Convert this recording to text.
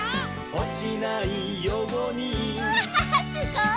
「おちないように」うわすごい！